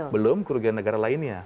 belum kerugian negara lainnya